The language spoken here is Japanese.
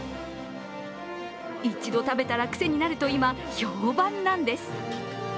一度食べたらクセになると今、評判なんです。